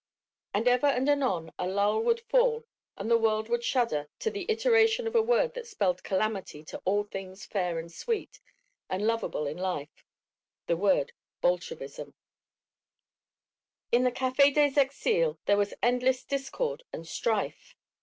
And ever and anon a lull would fall and the world would shudder to the iteration of a word that spelled calamity to all things fair and sweet and lovable in life, the word Bolshevism.... In the Café des Exiles there was endless discord and strife.